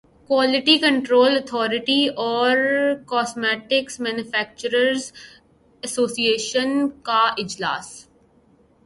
quality control authority اور cosmetics manufacturers association کا اجلاس